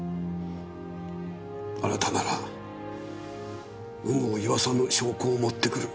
あなたなら有無を言わさぬ証拠を持ってくる。